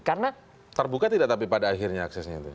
karena terbuka tidak tapi pada akhirnya aksesnya itu